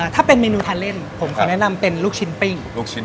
ถ้าเป็นเมนูทันเล่นผมควรแนะนำเป็นลูกชิ้นปิ้ง